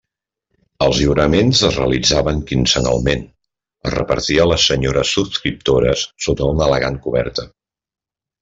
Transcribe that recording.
Els lliuraments es realitzaven quinzenalment, es repartia a les senyores subscriptores sota una elegant coberta.